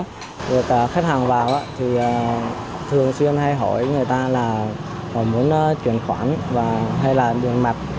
người ta khách hàng vào thì thường xuyên hay hỏi người ta là họ muốn truyền khoản hay là đường mặt